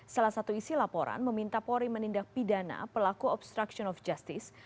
salah satu isi laporan meminta polri menindak pidana pelaku obstruction of justice